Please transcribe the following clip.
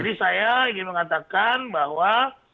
jadi saya ingin mengatakan bahwa